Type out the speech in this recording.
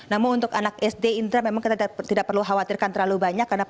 namun untuk anak sd indra memang kita tidak perlu khawatirkan terlalu banyak